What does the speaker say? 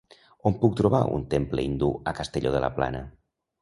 On puc trobar un temple hindú a Castelló de la Plana?